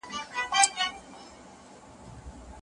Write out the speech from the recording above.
ما په دغه سایټ کي د ژبو د زده کړې نوي تخنیکونه ولیدل.